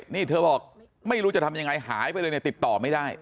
นี่เธอบอกไม่รู้จะทำยังไงหายไปเลยเนี่ยติดต่อไม่ได้